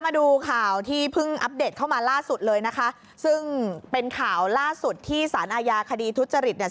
มาดูข่าวที่เพิ่งอัปเดตเข้ามาล่าสุดเลยนะคะซึ่งเป็นข่าวล่าสุดที่สารอาญาคดีทุจริตเนี่ย